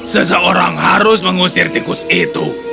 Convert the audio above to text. seseorang harus mengusir tikus itu